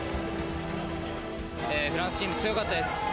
フランスチーム強かったです。